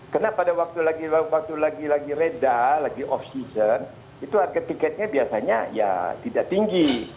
karena pada waktu lagi reda lagi off season itu harga tiketnya biasanya ya tidak tinggi